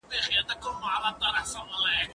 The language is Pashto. فکر وکړه